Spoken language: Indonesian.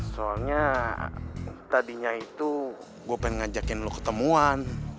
soalnya tadinya itu gue pengen ngajakin lo ketemuan